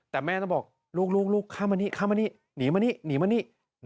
แต่แม่ต้องบอกลูกลูกข้ามมานี่ข้ามมานี่หนีมานี่หนีมานี่